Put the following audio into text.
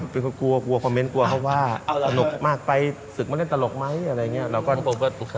เป็นคนกลัวกลัวคอมเมนต์กลัวเขาว่าสนุกมากไปศึกมาเล่นตลกไหมอะไรอย่างนี้